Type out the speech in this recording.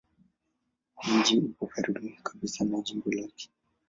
Mji upo karibu kabisa na jimbo lake.